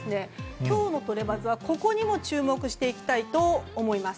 今日のトレバズはここにも注目していきたいと思います。